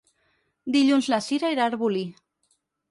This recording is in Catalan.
Dilluns na Cira irà a Arbolí.